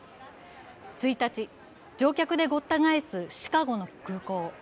１日、乗客でごった返すシカゴの空港。